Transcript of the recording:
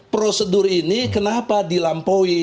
prosedur ini kenapa dilampaui